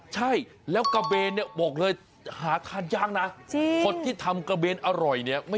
ใช่แล้วกระเบนบอกเลยหาทานยากนะ